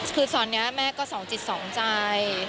คือสอนนี้แม่ก็๒จิต๒ใจ